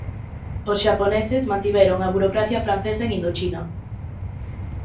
Os xaponeses mantiveron a burocracia francesa en Indochina.